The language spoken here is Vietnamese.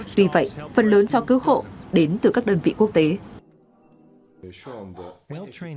tuy vậy phần lớn cho cứu hộ đến trong năm hai nghìn hai mươi